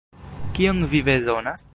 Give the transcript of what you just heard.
Kion vi bezonas?